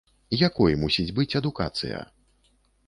Якой мусіць быць адукацыя?